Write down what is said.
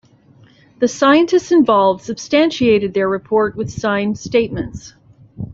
The scientists involved substantiated the report with signed statements.